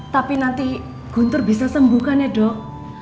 tapi nanti guntur bisa sembuhkan ya dok